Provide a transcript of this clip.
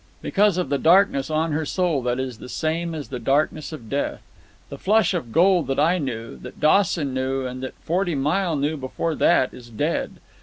"Because of the darkness on her soul that is the same as the darkness of death. The Flush of Gold that I knew, that Dawson knew, and that Forty Mile knew before that, is dead.